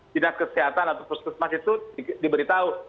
dinas kesehatan atau puskesmas itu diberitahu